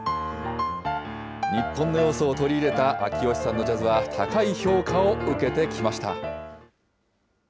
日本の要素を取り入れた秋吉さんのジャズは、高い評価を受けてきました。